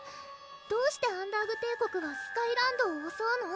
どうしてアンダーグ帝国はスカイランドをおそうの？